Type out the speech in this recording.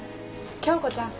京子ちゃん